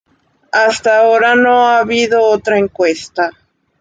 Hasta ahora no ha habido otra encuesta.